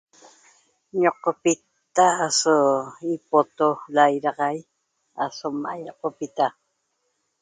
Ñoqopita aso ipoto laidaxai aso ma ñiqopita